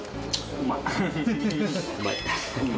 うまい。